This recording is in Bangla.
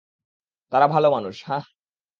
তারা ভালো মানুষ, হাহ?